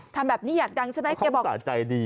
ทำแบบนี้อยากดังใช่ไหมเขาสะใจดี